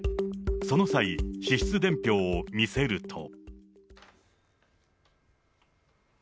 その際、支出伝票を見せると。